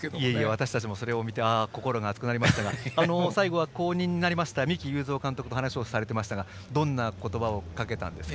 私たちもそれを見て心が熱くなりましたが最後は後任になりました三木有造監督と話をしていましたがどんな言葉をかけたんですか。